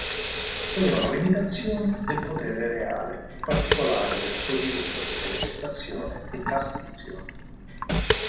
Volevano limitazioni del potere reale, in particolare del suo diritto di legislazione e tassazione.